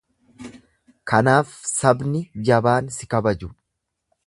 Kanaaf sabni jabaan si kabaju.